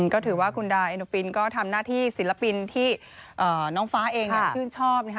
ก็ถือว่าคุณดาเอโนฟินก็ทำหน้าที่ศิลปินที่น้องฟ้าเองชื่นชอบนะคะ